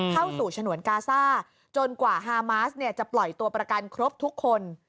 เข้าถึงสถานีกาซ่าจนกว่าฮามาสจะปล่อยตัวประกันครบทุกคน